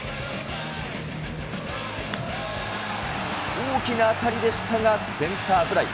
大きな当たりでしたが、センターフライ。